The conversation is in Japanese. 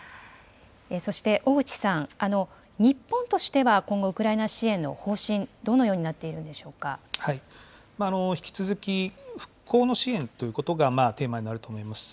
そして小口さん、日本としては、今後、ウクライナ支援の方針、ど引き続き、復興の支援ということがテーマになると思います。